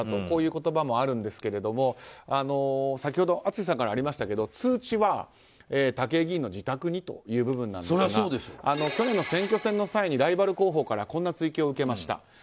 こういう言葉もあるんですけども先ほど淳さんからありましたが通知は武井議員の自宅にという部分ですが去年の選挙戦の際にライバル候補からこんな追及を受けました。